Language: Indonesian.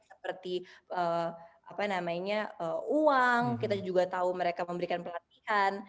seperti uang kita juga tahu mereka memberikan pelatihan